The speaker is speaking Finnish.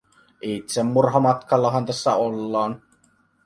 Itsemurhamatkallahan tässä ollaan.